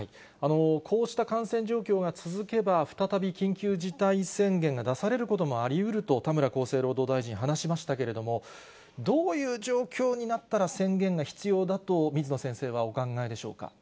こうした感染状況が続けば、再び緊急事態宣言が出されることもありうると、田村厚生労働大臣、話しましたけれども、どういう状況になったら、宣言が必要だと、水野先生はお考えでしょうか。